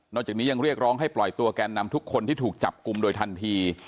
จากนี้ยังเรียกร้องให้ปล่อยตัวแกนนำทุกคนที่ถูกจับกลุ่มโดยทันที